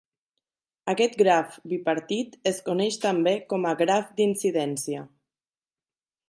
Aquest graf bipartit es coneix també com a graf d'incidència.